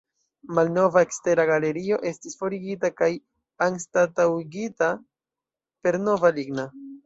Malnova ekstera galerio estis forigita kaj anstataŭigita per nova ligna.